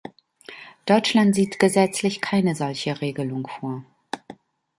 Deutschland sieht gesetzlich keine solche Regelung vor.